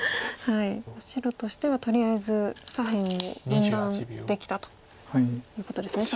白としてはとりあえず左辺を分断できたということですね。